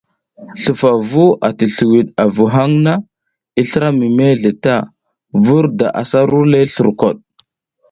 Slufavu ti sliwiɗ avu haŋ na i slra mi mezle ta vur da asa ru le slurkoɗ.